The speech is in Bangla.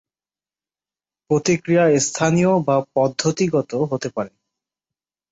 প্রতিক্রিয়া স্থানীয় বা পদ্ধতিগত হতে পারে।